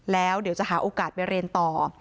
แล้วจะหาโอกาสเรียนต่อ